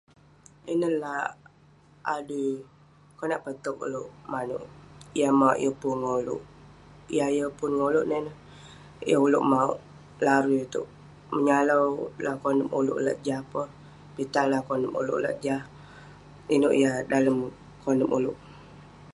Ineh la adui, konak peh towk ulouk manouk..yah mauk yeng ngan ulouk, yah yeng pun ngan ulouk neh ineh...yah ulouk mauk larui itouk, menyalau lah konep ulouk lak jah peh..pitah lah konep ulouk lak jah, inouk yah dalem konep ulouk..